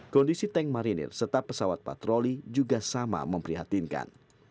kondisi tank marinir serta pesawat patroli juga sama memprihatinkan